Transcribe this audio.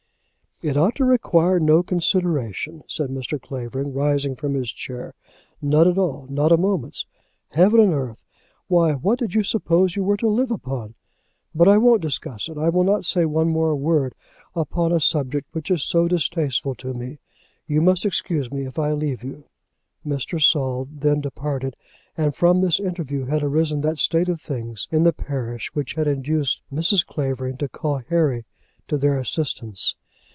"It ought to require no consideration," said Mr. Clavering, rising from his chair, "none at all; not a moment's. Heavens and earth! Why, what did you suppose you were to live upon? But I won't discuss it. I will not say one more word upon a subject which is so distasteful to me. You must excuse me if I leave you." Mr. Saul then departed, and from this interview had arisen that state of things in the parish which had induced Mrs. Clavering to call Harry to their assistance.